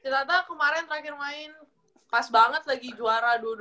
tata kemarin terakhir main pas banget lagi juara dua ribu dua puluh